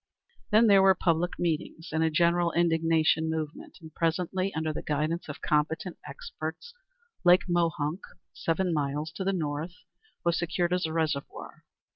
Then there were public meetings and a general indignation movement, and presently, under the guidance of competent experts, Lake Mohunk, seven miles to the north, was secured as a reservoir.